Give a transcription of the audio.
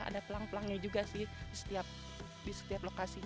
ada pelang pelangnya juga sih di setiap lokasi